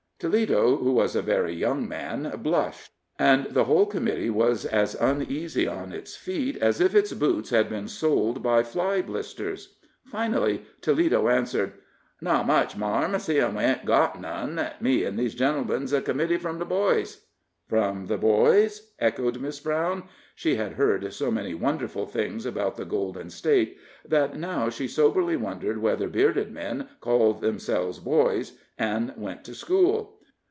Toledo, who was a very young man, blushed, and the whole committee was as uneasy on its feet as if its boots had been soled with fly blisters. Finally, Toledo answered: "Not much, marm, seein' we ain't got none. Me an' these gentlemen's a committee from the boys." "From the boys?" echoed Miss Brown. She had heard so many wonderful things about the Golden State, that now she soberly wondered whether bearded men called themselves boys, and went to school.